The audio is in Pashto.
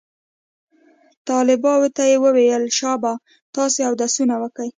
طلباو ته يې وويل شابه تاسې اودسونه وکئ.